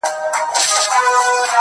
o چي د وگړو څه يې ټولي گناه كډه كړې.